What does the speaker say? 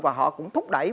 và họ cũng thúc đẩy